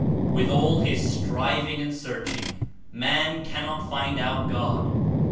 With all his striving and searching man cannot find out God.